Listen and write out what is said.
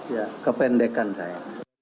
ya kependekan saya